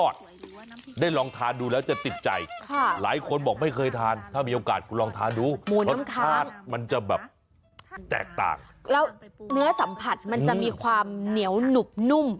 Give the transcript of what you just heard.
กูลองทาดูรสชาติมันจะแบบแตกต่างแล้วเนื้อสัมผัสมันจะมีความเหนียวหนุ่ม